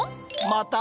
また？